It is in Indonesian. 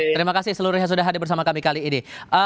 terima kasih seluruhnya sudah hadir bersama kami kali ini